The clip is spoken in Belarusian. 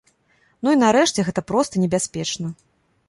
Ну і нарэшце, гэта проста небяспечна.